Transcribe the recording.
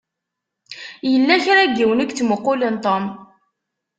Yella kra n yiwen i yettmuqqulen Tom.